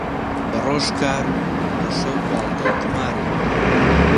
بەڕۆژ کار و بەشەو گاڵتە و قومارێک